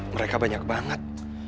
mereka banyak banget